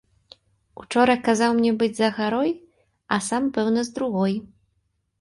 Учора казаў мне быць за гарой, а сам, пэўна, з другой.